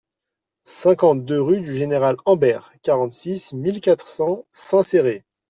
cinquante-deux rue du Général Ambert, quarante-six mille quatre cents Saint-Céré